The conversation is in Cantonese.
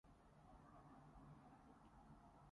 一碗